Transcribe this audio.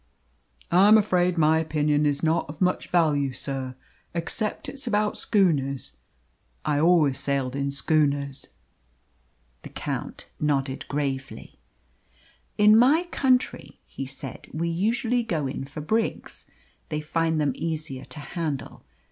"I am afraid my opinion is not of much value, sir, except it's about schooners I always sailed in schooners." The Count nodded gravely. "In my country," he said, "we usually go in for brigs; they find them easier to handle.